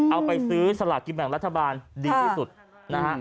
เอาไปซื้อสลากกินแบ่งรัฐบาลดีที่สุดนะฮะ